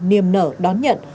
niềm nở đón nhận